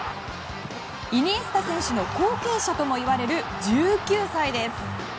イニエスタ選手の後継者ともいわれる１９歳です。